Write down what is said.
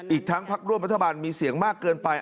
อีกทั้งพักร่วมรัฐบาลมีเสียงมากเกินไป